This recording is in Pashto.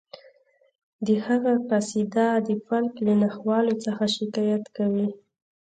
د هغه قصیده د فلک له ناخوالو څخه شکایت کوي